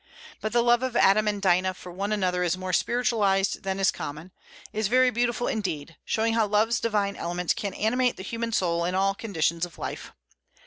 But the love of Adam and Dinah for one another is more spiritualized than is common, is very beautiful, indeed, showing how love's divine elements can animate the human soul in all conditions of life.